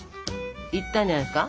いったんじゃないですか？